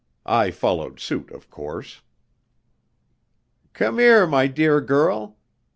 I followed suit, of course. "Come here, my dear girl. Mr.